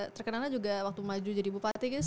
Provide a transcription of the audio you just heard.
terkenalnya juga waktu maju jadi bupati gus